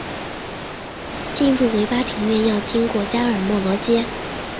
进入维巴庭园要经过加尔默罗街。